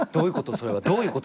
それは。